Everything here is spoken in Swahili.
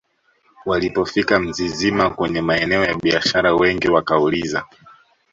walipofika Mzizima kwenye maeneo ya biashara wengi wakauliza